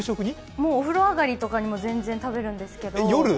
お風呂上がりとかにも全然食べるんですけど。